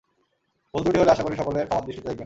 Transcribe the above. ভূল ত্রুটি হলে আশা করি সকলে ক্ষমার দৃষ্টিতে দেখবেন।